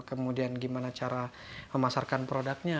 kemudian gimana cara memasarkan produknya